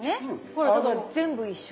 ほらだから全部一緒。